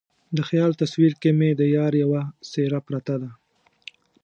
د خیال تصویر کې مې د یار یوه څیره پرته ده